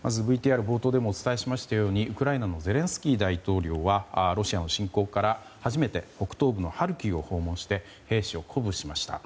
ＶＴＲ冒頭でもお伝えしたようにウクライナのゼレンスキー大統領はロシアの侵攻から初めて、北東部のハルキウを訪問して兵士を鼓舞しました。